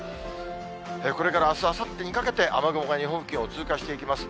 これからあす、あさってにかけて、雨雲が日本付近を通過していきます。